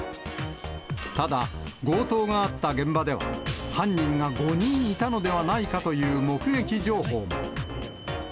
ただ、強盗があった現場では、犯人が５人いたのではないかという目撃情報も。